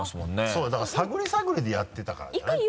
そうよだから探り探りでやってたからじゃない？